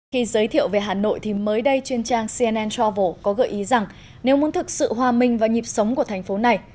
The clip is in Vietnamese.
khi giới thiệu về hà nội thì mới đây chuyên trang cnn travel có gợi ý rằng nếu muốn thực sự hòa minh và nhịp sống của thành phố này